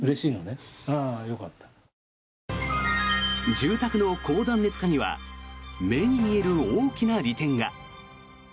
住宅の高断熱化には目に見える大きな利点が。